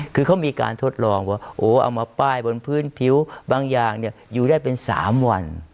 คือเขามีการทดลองว่าโอ้เอามาป้ายบนพื้นผิวบางอย่างอยู่ได้เป็น๓วัน